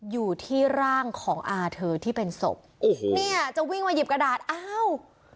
อยู่ที่ร่างของอาเธอที่เป็นศพโอ้โหเนี่ยจะวิ่งมาหยิบกระดาษอ้าว